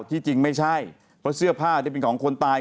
ที่จริงไม่ใช่เพราะเสื้อผ้าที่เป็นของคนตาย